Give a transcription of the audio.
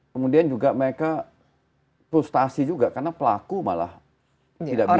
kemudian juga mereka frustasi juga karena pelaku malah tidak bisa